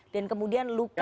dan kemudian luka